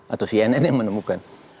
atau cnn yang menemukan